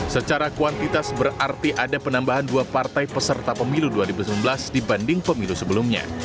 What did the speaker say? secara kuantitas berarti ada penambahan dua partai peserta pemilu dua ribu sembilan belas dibanding pemilu sebelumnya